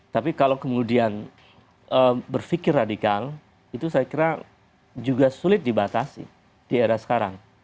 tapi kalau kemudian berpikir radikal itu saya kira juga sulit dibatasi di era sekarang